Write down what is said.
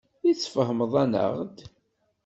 I tesfehmeḍ-aneɣ-d?